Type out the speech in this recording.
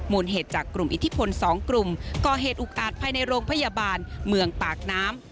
เหตุจากกลุ่มอิทธิพล๒กลุ่มก่อเหตุอุกอาจภายในโรงพยาบาลเมืองปากน้ำ